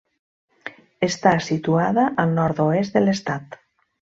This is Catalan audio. Està situada al nord-oest de l'estat.